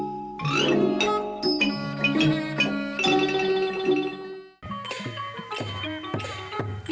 นั้นไหนน้ำไม่จอดน้ำตามเกลียดเซ็นต์